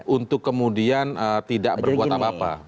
untuk kemudian tidak berbuat apa apa